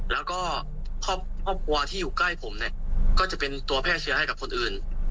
แล้วก็ครอบครัวที่อยู่ใกล้ผมเนี่ยก็จะเป็นตัวแพร่เชื้อให้กับคนอื่น